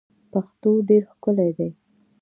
پښتو ډیر ښکلی دی.